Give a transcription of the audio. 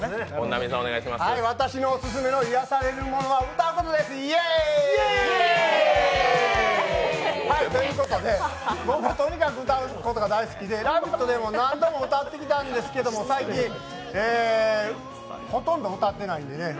私のオススメの癒やされるものは歌うことです、イエーイ！！ということで僕はとにかく歌うことが大好きで「ラヴィット！」でも何度も歌ってきたんですけど最近、ほとんど歌ってないんでね。